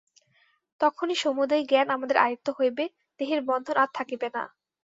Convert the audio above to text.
তখনই সমুদয় জ্ঞান আমাদের আয়ত্ত হইবে, দেহের বন্ধন আর থাকিবে না।